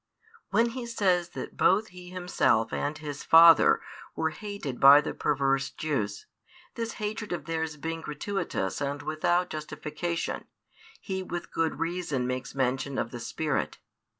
When He says that both He Himself and His Father were hated by the perverse Jews, this hatred of theirs being gratuitous and without justification, He with good reason makes mention of the Spirit.